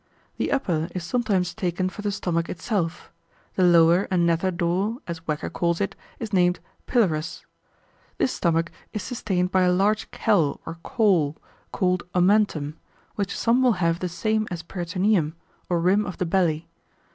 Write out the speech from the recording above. The upper is sometimes taken for the stomach itself; the lower and nether door (as Wecker calls it) is named Pylorus. This stomach is sustained by a large kell or caul, called omentum; which some will have the same with peritoneum, or rim of the belly.